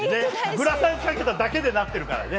グラサン掛けただけでなってるからね。